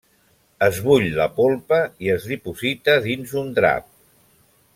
Es bull la polpa i es diposita dins un drap.